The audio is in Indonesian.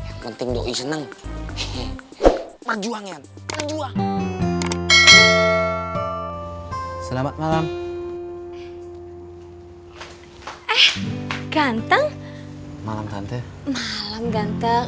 yang penting doa seneng perjuangan selamat malam eh ganteng malam tante malam ganteng